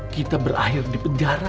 kita berakhir di penjara